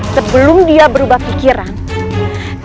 sebelum dia berubah pikiran